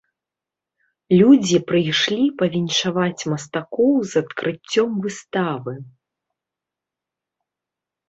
Людзі прыйшлі павіншаваць мастакоў з адкрыццём выставы.